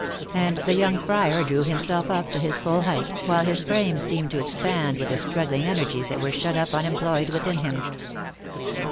And the young friar drew himself up to his full height, while his frame seemed to expand with the struggling energies that were shut up unem ployed within him.